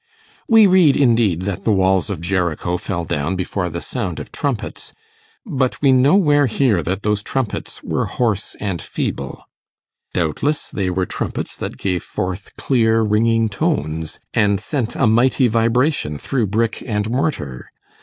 We read, indeed, that the walls of Jericho fell down before the sound of trumpets; but we nowhere hear that those trumpets were hoarse and feeble. Doubtless they were trumpets that gave forth clear ringing tones, and sent a mighty vibration through brick and mortar.